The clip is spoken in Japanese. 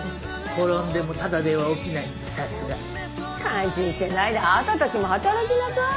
転んでもタダでは起きないさすが。感心してないであなたたちも働きなさい。